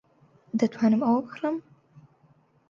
دەتوانم ئەوە بکڕم؟